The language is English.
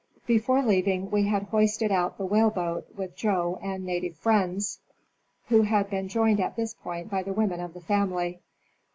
Before leaving we had hoisted out the whale boat with Joe and native friends, who had been joined at this point by the women of the family.